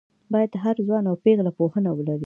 باید هر ځوان او پېغله پوهنه ولري